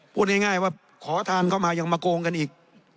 พูดง่ายว่าขอทานเข้ามายังมาโกงกันอีก